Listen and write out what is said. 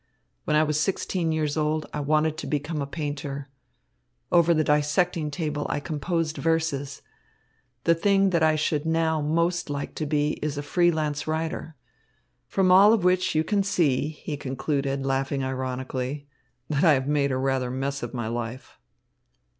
When I was sixteen years old, I wanted to become a painter. Over the dissecting table, I composed verses. The thing that I should now most like to be is a freelance writer. From all of which you can see," he concluded, laughing ironically, "that I have made rather a mess of my life."